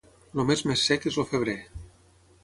El mes més sec és el febrer.